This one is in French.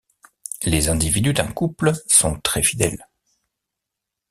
Les individus d’un couple sont très fidèles.